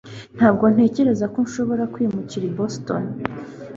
Ntabwo ntekereza ko nshobora kwimukira i Boston